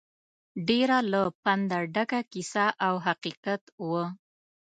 ډېره له پنده ډکه کیسه او حقیقت وه.